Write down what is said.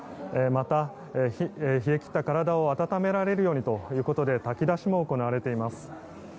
また、冷え切った体を温められるようにということで炊き出しも行われています。